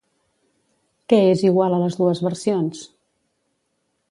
Què és igual a les dues versions?